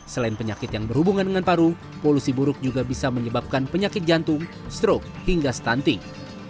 selain penyakit yang berhubungan dengan paru polusi buruk juga bisa menyebabkan penyakit jantung stroke hingga stunting